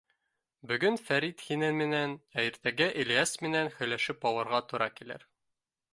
Бөгөн Фәрит һинең менән, ә иртәгә Ильяс менән һөйләшеп алырға тура килер.